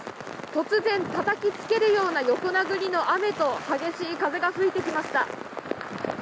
突然、たたきつけるような横殴りの雨と、激しい風が吹いてきました。